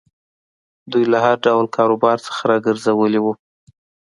دوی له هر ډول کاروبار څخه را ګرځولي وو.